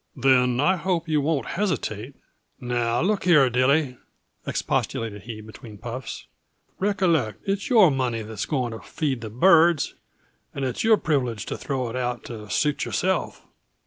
"Then I hope you won't hesitate " "Now look here, Dilly," expostulated he, between puffs. "Recollect, it's your money that's going to feed the birds and it's your privilege to throw it out to suit yourself.